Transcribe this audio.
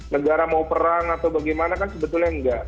negara mau perang atau bagaimana kan sebetulnya enggak